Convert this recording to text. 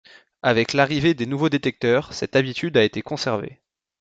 Avec l'arrivée des nouveaux détecteurs, cette habitude a été conservée.